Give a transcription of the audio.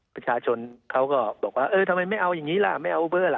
ประชาชนเขาก็บอกว่าเออทำไมไม่เอาอย่างนี้ล่ะไม่เอาเบอร์ล่ะ